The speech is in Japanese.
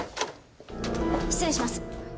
失礼します。